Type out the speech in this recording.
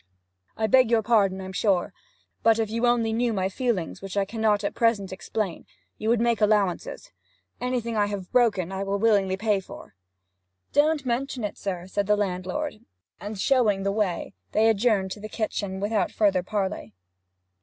'I beg your pardon, I'm sure; but if you only knew my feelings (which I cannot at present explain), you would make allowances. Anything I have broken I will willingly pay for.' 'Don't mention it, sir,' said the landlord. And showing the way, they adjourned to the kitchen without further parley.